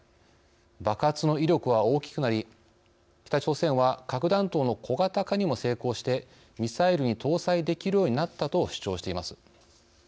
爆発の威力は大きくなり北朝鮮は核弾頭の小型にも成功してミサイルに搭載できるようになったと主張しています。